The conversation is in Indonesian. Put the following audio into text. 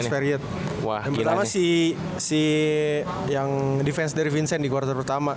yang pertama si si yang defense dari vincent di quarter pertama